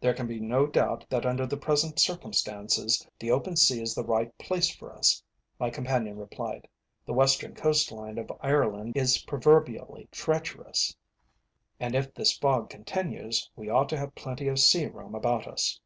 "There can be no doubt that under the present circumstances, the open sea is the right place for us," my companion replied. "The western coast line of Ireland is proverbially treacherous, and if this fog continues, we ought to have plenty of sea room about us."